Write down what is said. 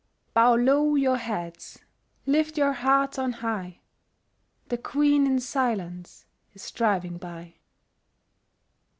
Bow low your heads—lift your hearts on high— The Queen in silence is driving by!